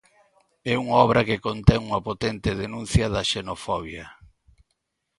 É unha obra que contén unha potente denuncia da xenofobia.